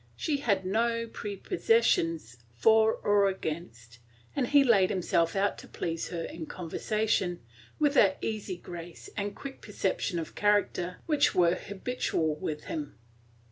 She had no prepossessions for or against, and he laid himself out to please her in conversation, with that easy grace and quick perception of character which were habitual with him.